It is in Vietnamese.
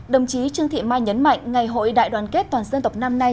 đồng chí trương thị mai nhấn mạnh ngày hội đại đoàn kết toàn dân tộc năm nay